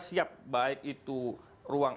siap baik itu ruang